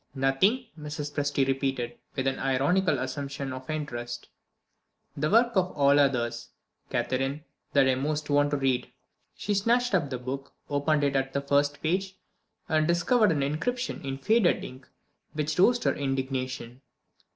"Nothing!" Mrs. Presty repeated with an ironical assumption of interest. "The work of all others, Catherine, that I most want to read." She snatched up the book; opened it at the first page, and discovered an inscription in faded ink which roused her indignation.